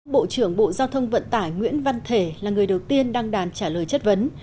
bộ trưởng bộ giao thông vận tải nguyễn văn thể là người đầu tiên đăng đàn trả lời chất vấn